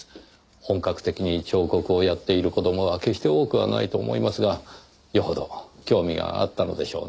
本格的に彫刻をやっている子供は決して多くはないと思いますがよほど興味があったのでしょうねぇ。